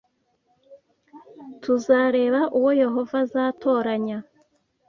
Tuzareba uwo Yehova azatoranya